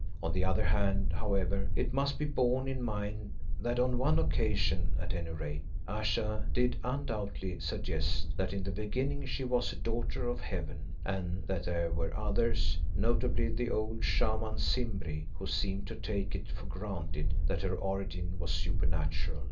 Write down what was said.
On the other hand, however, it must be borne in mind that on one occasion at any rate, Ayesha did undoubtedly suggest that in the beginning she was "a daughter of Heaven," and that there were others, notably the old Shaman Simbri, who seemed to take it for granted that her origin was supernatural.